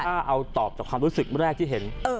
ถ้าเอาตอบจากความรู้สึกแรกที่เห็น